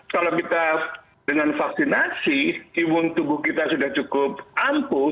kalau kita dengan vaksinasi imun tubuh kita sudah cukup ampuh